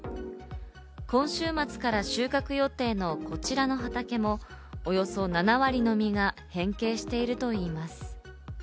今週末から収穫予定のこちらの畑もおよそ７割の実が変形しているといいます。